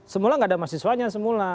semula gak ada mahasiswanya semula